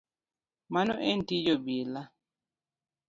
Mano en tij obila.